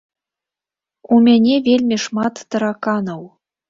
У мяне вельмі шмат тараканаў.